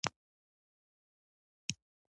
تیمورشاه لا دا وخت بیا هم په کابل کې وو.